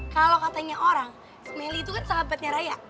kalau katanya orang melly itu kan sahabatnya raya